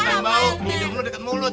bukan bau hidung lu deket mulut